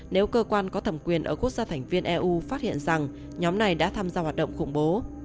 nếu cơ quan có thẩm quyền ở quốc gia thành viên eu phát hiện rằng nhóm này đã tham gia hoạt động khủng bố